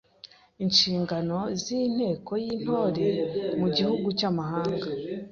Inshingano z’inteko y’Intore mu gihugu cy’amahanga